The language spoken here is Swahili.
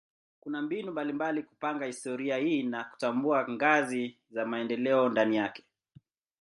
Kuna mbinu mbalimbali kupanga historia hii na kutambua ngazi za maendeleo ndani yake.